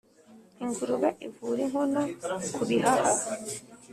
-Ingurube ivura inkono kubihaha